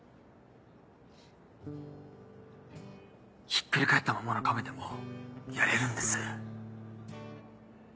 ひっくり返ったままの亀でもやれるんです。